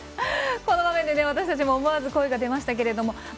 この場面で、私たちも思わず声が出ましたが。